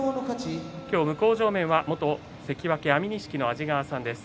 向正面は元関脇安美錦の安治川さんです。